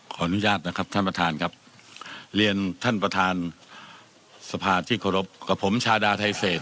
ขออนุญาตนะครับท่านประธานครับเรียนท่านประธานสภาที่เคารพกับผมชาดาไทเศษ